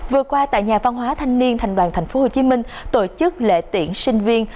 vừa qua tại nhà văn hóa thanh niên thành đoàn tp hcm tổ chức lễ tiễn sinh viên